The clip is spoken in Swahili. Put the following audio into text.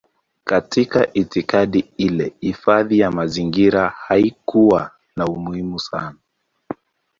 Katika itikadi ile hifadhi ya mazingira haikuwa na umuhimu sana.